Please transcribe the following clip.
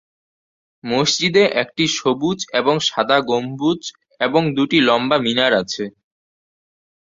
মসজিদে একটি সবুজ এবং সাদা গম্বুজ এবং দুটি লম্বা মিনার আছে।